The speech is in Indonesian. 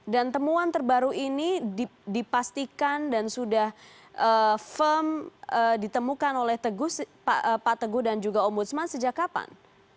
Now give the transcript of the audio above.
dan temuan terbaru ini dipastikan dan sudah firm ditemukan oleh pak teguh dan juga om ombudsman sejak kapan